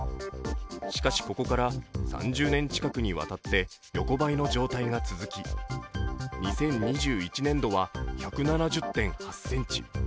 しかしここから３０年近くにわたって横ばいの状態が続き２０２１年度は１７０．８ｃｍ。